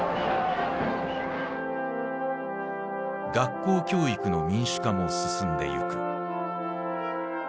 学校教育の民主化も進んでゆく。